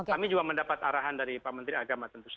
kami juga mendapat arahan dari pak menteri agama